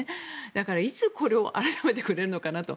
だから、いつこれを改めてくれるのかなと。